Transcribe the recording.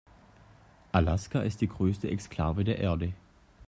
Alaska ist die größte Exklave der Erde.